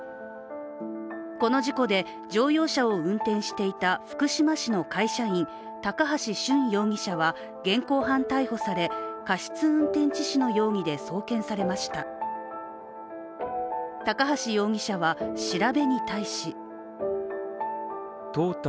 この事故で、乗用車を運転していた福島市の会社員、高橋俊容疑者は現行犯逮捕され過失運転致死の容疑で送検されました。